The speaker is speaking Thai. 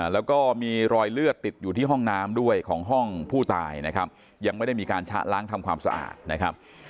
แล้วก็มีรอยเลือดติดอยู่ที่ห้องน้ำด้วยของห้องผู้ตายนะครับยังไม่ได้มีการชะล้างทำความสะอาดนะครับ